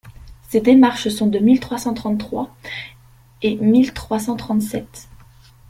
Ces démarches sont de mille trois cent trente-trois et mille trois cent trente-sept.